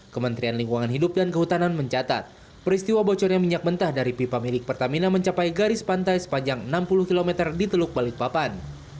kementerian lingkungan hidup dan kehutanan mencatat peristiwa bocornya minyak mentah dari pipa milik pertamina mencapai garis pantai sepanjang enam puluh km di teluk balikpapan